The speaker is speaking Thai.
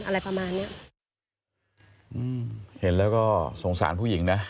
อะไรประมาณเนี้ยอืมเห็นแล้วก็สงสารผู้หญิงนะ